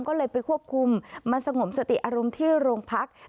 ก็เลยไปควบคุมมาสงบสติอารมณ์ที่โรงพัก